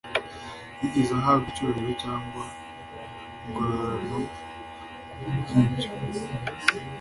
yigeze ahabwa icyubahiro cyangwa ingororano ku bw ibyo